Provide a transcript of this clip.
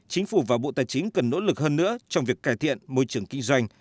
chính phủ và bộ tài chính cần nỗ lực hơn nữa trong việc cải thiện môi trường kinh doanh